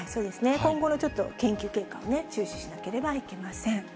今後のちょっと研究結果を注視しなければいけません。